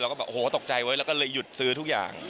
แล้วก็แบบโอ้โหตกใจไว้แล้วก็เลยหยุดซื้อทุกอย่าง